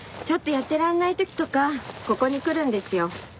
ちょっとやってらんない時とかここに来るんですよ。